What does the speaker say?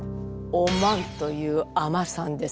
お万という尼さんです。